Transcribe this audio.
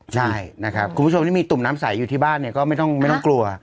ใช่นะครับคุณผู้ชมที่มีตุ่มน้ำใสอยู่ที่บ้านเนี่ยก็ไม่ต้องกลัว